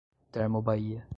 Termobahia